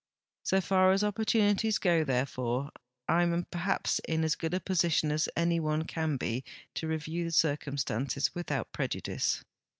So far as opportunities go, therefore, I am perhaps in as good a position as any one can be to review the circumstances without prejudice.